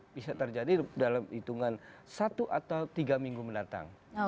bisa terjadi dalam hitungan satu atau tiga minggu mendatang